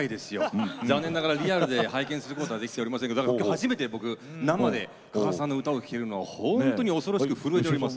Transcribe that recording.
残念ながらリアルで拝見することはできておりませんけどだから今日初めて僕生で鹿賀さんの歌を聴けるのはほんとに恐ろしく震えております。